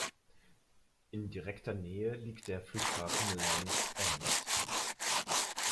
In direkter Nähe liegt der Flughafen Land’s End.